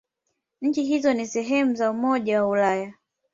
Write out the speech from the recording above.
Nchi hizo si sehemu za Umoja wa Ulaya.